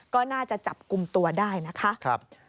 ก็น่าจะจับกลุ่มตัวได้นะคะ